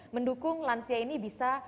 mendukung lansia ini bisa